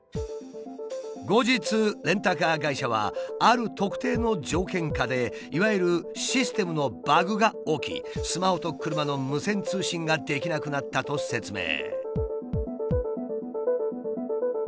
後日レンタカー会社はある特定の条件下でいわゆるシステムのバグが起きスマホと車の無線通信ができなくなったと説明。